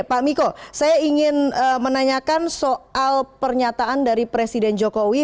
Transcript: pak miko saya ingin menanyakan soal pernyataan dari presiden jokowi